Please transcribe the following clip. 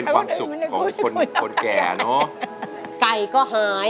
สวัสดีครับคุณหน่อย